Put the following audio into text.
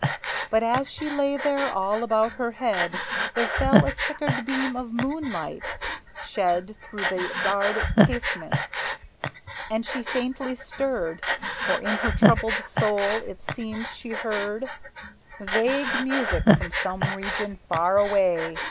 But as she lay there, all about her head There fell a checkered beam of moonlight, shed Through the barred casement; and she faintly stirred, For in her troubled soul it seemed she heard Vague music from some region far away!